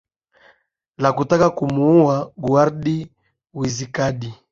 la kutaka kumuua guard wizikadi